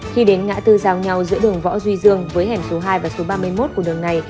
khi đến ngã tư giao nhau giữa đường võ duy dương với hẻm số hai và số ba mươi một của đường này